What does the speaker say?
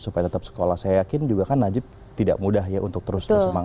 supaya tetap sekolah saya yakin juga kan najib tidak mudah ya untuk terus bersemangat